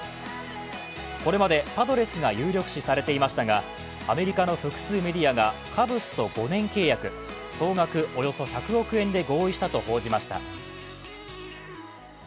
これまでパドレスが有力視されていましたが、アメリカの複数メディアが、カブスと５年契約、総額およそ１００億円で合意したと報じました。